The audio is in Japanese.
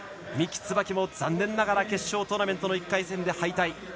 三木つばきも残念ながら決勝トーナメントの１回戦で敗退。